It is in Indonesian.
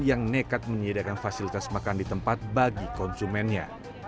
yang nekat menyediakan fasilitas makan di tempat bagi konsumennya